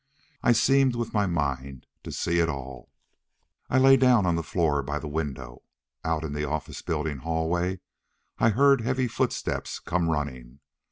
I seemed with my mind to see it all. I lay down on the floor by the window. Out in the office building hallway I heard heavy footsteps come running.